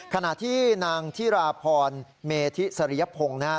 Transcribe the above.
ขณะที่นางธิราพรเมธิสริยพงศ์นะฮะ